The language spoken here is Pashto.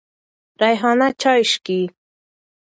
ریحانه چای څکې.